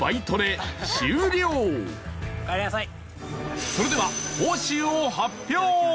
おかえりなさい！